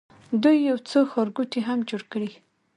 دوی یو څو ښارګوټي هم جوړ کړي.